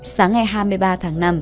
sáng ngày hai mươi ba tháng năm